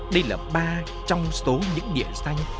đây là ba trong số những địa xanh